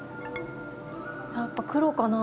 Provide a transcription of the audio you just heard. やっぱ黒かな？